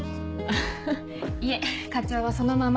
ハハいえ課長はそのまま。